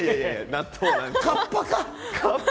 カッパか？